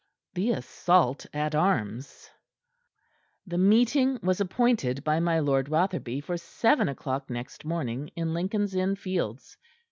THE ASSAULT AT ARMS The meeting was appointed by my Lord Rotherby for seven o'clock next morning in Lincoln's Inn Fields.